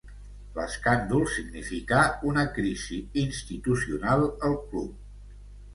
L'escàndol significà una crisi institucional al Club.